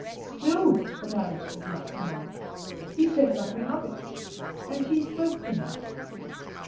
Still, the marriage did not come on; he said nothing of it, and she spoke to him.